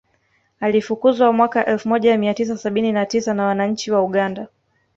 Alifukuzwa mwaka elfu moja mia tisa sabini na tisa na wananchi wa Uganda